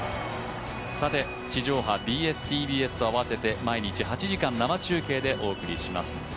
地上波、ＢＳ−ＴＢＳと合わせて毎日８時間生中継でお送りします。